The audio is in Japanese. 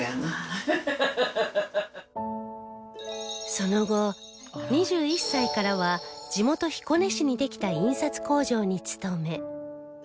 その後２１歳からは地元彦根市にできた印刷工場に勤め